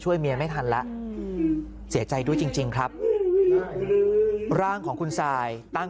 เมียไม่ทันแล้วเสียใจด้วยจริงครับร่างของคุณซายตั้ง